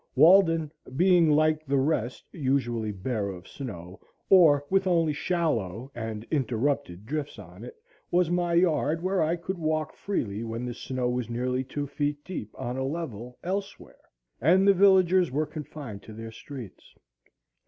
Walden, being like the rest usually bare of snow, or with only shallow and interrupted drifts on it, was my yard, where I could walk freely when the snow was nearly two feet deep on a level elsewhere and the villagers were confined to their streets.